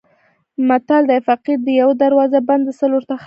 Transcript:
متل دی: فقیر ته یوه دروازه بنده سل ورته خلاصې وي.